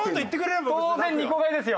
当然２個買いですよ。